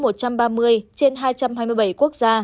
trên hai trăm hai mươi bảy quốc gia